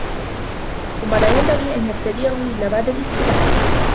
ثُمَّ لَا يَنْبَغِي أَنْ يَبْتَدِئَهُ إلَّا بَعْدَ الِاسْتِدْعَاءِ